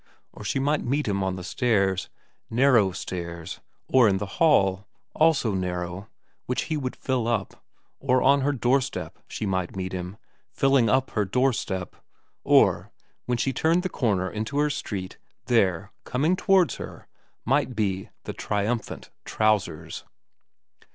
or she might meet him on the stairs narrow stairs ; or in the hall also narrow, which he would fill up ; or on her doorstep she might meet him, filling up her doorstep ; or, when she turned the corner into her street, there, coming towards her, might be the triumphant trousers.